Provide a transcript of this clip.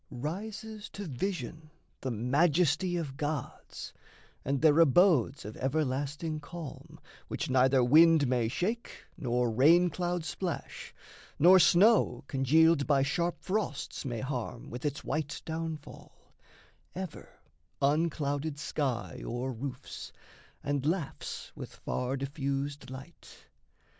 Rises to vision the majesty of gods, And their abodes of everlasting calm Which neither wind may shake nor rain cloud splash, Nor snow, congealed by sharp frosts, may harm With its white downfall: ever, unclouded sky O'er roofs, and laughs with far diffused light.